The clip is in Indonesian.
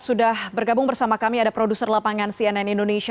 sudah bergabung bersama kami ada produser lapangan cnn indonesia